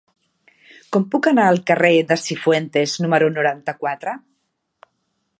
Com puc anar al carrer de Cifuentes número noranta-quatre?